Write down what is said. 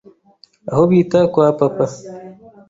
aho bita kwa Papa